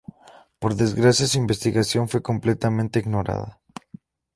Por desgracia, su investigación fue completamente ignorada.